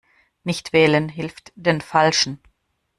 Nichtwählen hilft den Falschen.